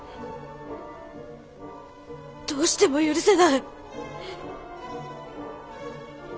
どうしても許せない！